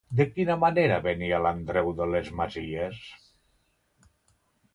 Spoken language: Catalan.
De quina manera venia l'Andreu de les masies?